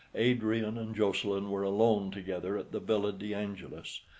Adrian and Jocelyn were alone together at the Villa de Angelis.